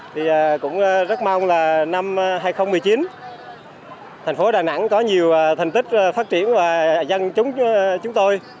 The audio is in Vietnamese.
thì cũng rất mong là năm hai nghìn một mươi chín thành phố đà nẵng có nhiều thành tích phát triển và dân chúng tôi